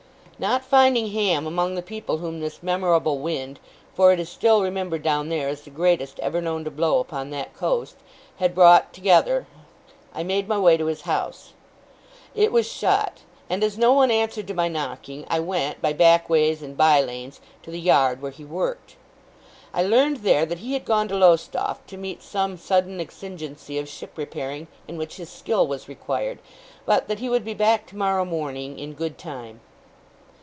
Not finding Ham among the people whom this memorable wind for it is still remembered down there, as the greatest ever known to blow upon that coast had brought together, I made my way to his house. It was shut; and as no one answered to my knocking, I went, by back ways and by lanes, to the yard where he worked. I learned, there, that he had gone to Lowestoft, to meet some sudden exigency of ship repairing in which his skill was required; but that he would be back tomorrow morning, in good time.